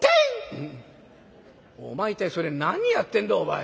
「お前一体それ何やってんだ？お前」。